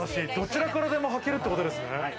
どちらからでも履けるっていうことですね。